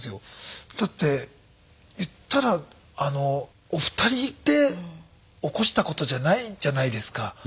だって言ったらお二人で起こしたことじゃないじゃないですか。